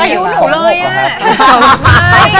อายุหนูเลยอะ